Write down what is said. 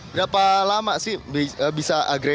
berapa lama sih bisa agresi